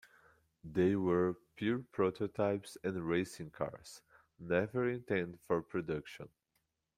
They were pure prototypes and racing cars, never intended for production.